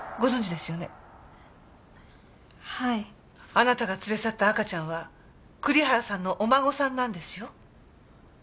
あなたが連れ去った赤ちゃんは栗原さんのお孫さんなんですよ。